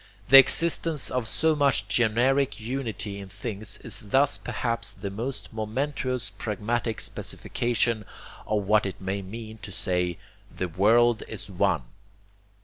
The existence of so much generic unity in things is thus perhaps the most momentous pragmatic specification of what it may mean to say 'the world is One.'